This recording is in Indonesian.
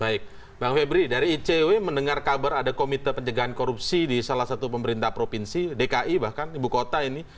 baik bang febri dari icw mendengar kabar ada komite pencegahan korupsi di salah satu pemerintah provinsi dki bahkan ibu kota ini